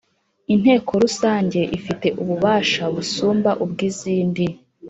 Inteko rusange ifite ububasha busumba ubw izindi